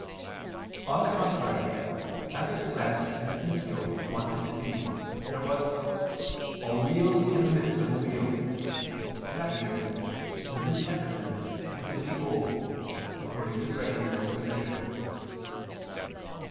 On the contrary, As expressed in Ezech. 1:16, there was "a wheel in the midst of a wheel," i.e. "the New Testament within the Old," according to Gregory's exposition.